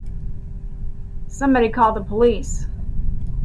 Somebody call the police!